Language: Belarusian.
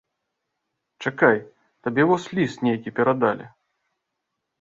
Чакай, табе вось ліст нейкі перадалі.